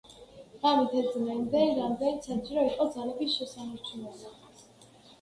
ღამით ეძინა იმდენი, რამდენიც საჭირო იყო ძალების შესანარჩუნებლად.